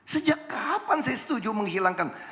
sejak kapan saya setuju menghilangkan